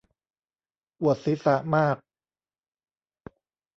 ปวดศีรษะมาก